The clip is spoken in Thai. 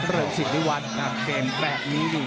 เริงสิริวัตรกับเกมแปลกนี้